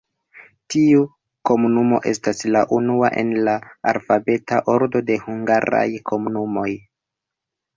Tiu komunumo estas la unua en la alfabeta ordo de hungaraj komunumoj.